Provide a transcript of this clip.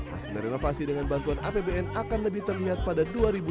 hasil renovasi dengan bantuan apbn akan lebih terlihat pada dua ribu dua puluh